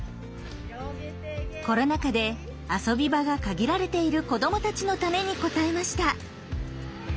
コロナ禍で遊び場が限られている子どもたちのために応えました。